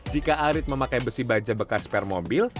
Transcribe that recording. jika arit memakai besi baja bekas spare mobil